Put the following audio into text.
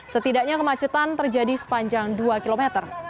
setidaknya kemacetan terjadi sepanjang dua km